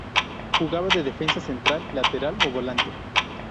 Jugaba de defensa central, lateral o volante.